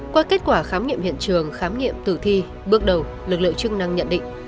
qua kết quả khám nghiệm hiện trường khám nghiệm tử thi bước đầu lực lượng chức năng nhận định